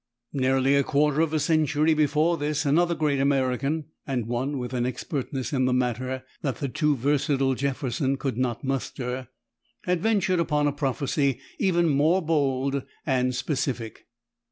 Nearly a quarter of a century before this, another great American, and one with an expertness in the matter that the too versatile Jefferson could not muster, had ventured upon a prophecy even more bold and specific.